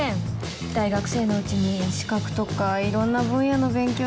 大学生のうちに資格とかいろんな分野の勉強しておきたいし。